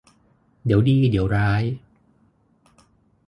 เดี๋ยวดีเดี๋ยวร้าย